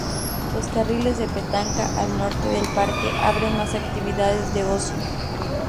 Los carriles de petanca al norte del parque abren más actividades de ocio.